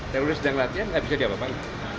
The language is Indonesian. teroris sedang latihan nggak bisa diapa apain